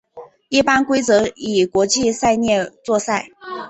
一般规则以国际赛例作赛。